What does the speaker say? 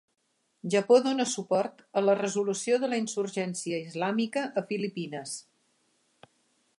Japó dona suport a la resolució de la insurgència islàmica a Filipines.